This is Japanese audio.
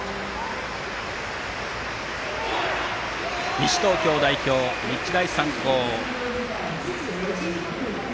西東京代表・日大三高。